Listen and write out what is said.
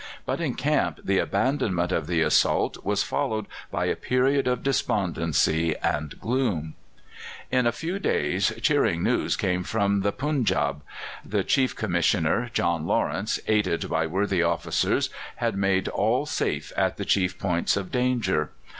But in camp the abandonment of the assault was followed by a period of despondency and gloom. In a few days cheering news came from the Punjab. The Chief Commissioner, John Lawrence, aided by worthy officers, had made all safe at the chief points of danger.